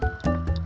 ya udah deh